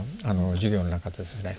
授業の中でですね。